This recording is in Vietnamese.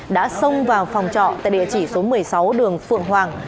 đã xông vào phòng trọ tại địa chỉ số một mươi sáu đường phượng hoàng